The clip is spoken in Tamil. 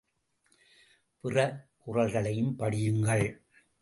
பிற குறள்களையும் படியுங்கள்.